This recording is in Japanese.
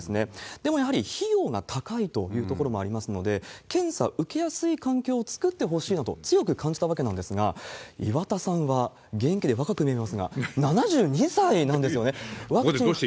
でも、やはり費用が高いというところもありますので、検査受けやすい環境を作ってほしいなと強く感じたわけなんですが、岩田さんは元気で若く見えますが、７２歳なんですよね。